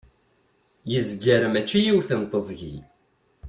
yezger mačči yiwet teẓgi